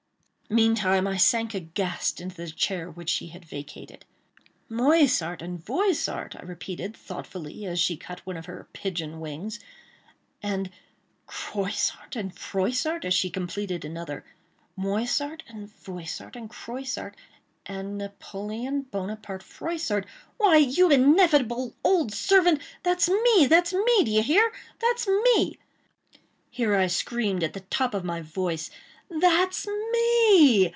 Meantime I sank aghast into the chair which she had vacated. "Moissart and Voissart!" I repeated, thoughtfully, as she cut one of her pigeon wings, and "Croissart and Froissart!" as she completed another—"Moissart and Voissart and Croissart and Napoleon Bonaparte Froissart!—why, you ineffable old serpent, that's me—that's me—d'ye hear? that's me"—here I screamed at the top of my voice—"that's me e e!